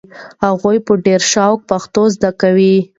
هغوی په ډېر شوق پښتو زده کوي.